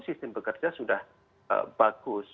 sistem bekerja sudah bagus